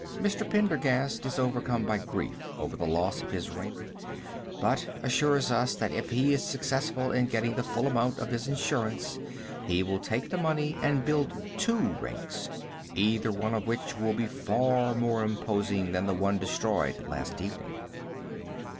Mr. Pendergast is overcome by grief over the loss of his rink, but assures us that if he is successful in getting the full amount of his insurance he will take the money and build two rinks, either one of which will be far more imposing than the one destroyed last evening.